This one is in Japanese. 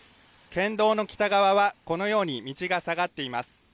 県道の北側はこのように道が下がっています。